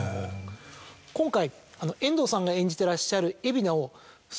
今回。